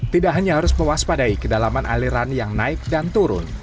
tidak hanya harus mewaspadai kedalaman aliran yang naik dan turun